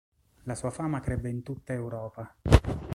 La sua fama crebbe in tutta Europa.